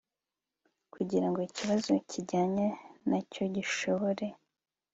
kugira ngo ikibazo kijyanye na cyo gishobore